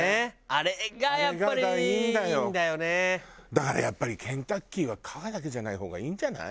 だからやっぱりケンタッキーは皮だけじゃない方がいいんじゃない？